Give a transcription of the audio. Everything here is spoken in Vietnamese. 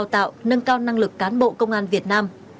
tạo nâng cao năng lực cán bộ công an việt nam